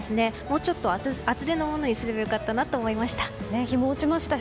もうちょっと厚手のものにすれば良かったと思いました。